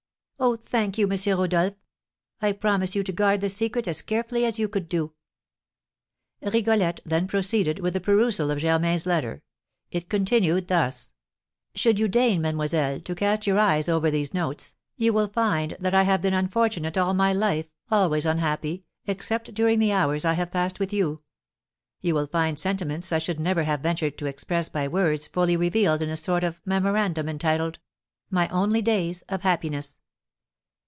"Oh, thank you, M. Rodolph! I promise you to guard the secret as carefully as you could do." Rigolette then proceeded with the perusal of Germain's letter; it continued thus: "'Should you deign, mademoiselle, to cast your eyes over these notes, you will find that I have been unfortunate all my life, always unhappy, except during the hours I have passed with you; you will find sentiments I should never have ventured to express by words fully revealed in a sort of memorandum, entitled "My Only Days of Happiness."